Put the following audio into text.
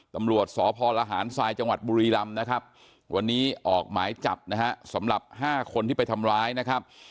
ตำรวจสพลหารทรายจังหวัดบุรีรำนะครับวันนี้ออกหมายจับนะฮะสำหรับ๕คนที่ไปทำร้ายนะครับ